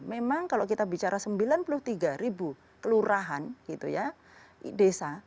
memang kalau kita bicara sembilan puluh tiga ribu kelurahan gitu ya desa